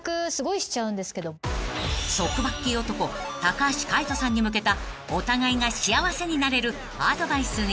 ［ソクバッキー男橋海人さんに向けたお互いが幸せになれるアドバイスに］